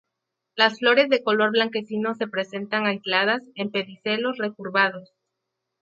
Las flores de color blanquecino se presentan aisladas, en pedicelos recurvados.